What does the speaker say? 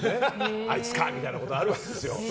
あいつかみたいなことがあるわけですよ。